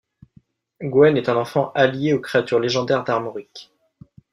Gwen est un enfant allié aux créatures légendaires d'Armorique.